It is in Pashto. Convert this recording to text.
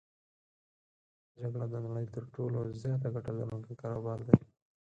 جګړه د نړی تر ټولو زیاته ګټه لرونکی کاروبار دی.